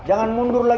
jangan mundur lagi